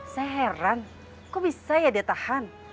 saya heran kok bisa ya dia tahan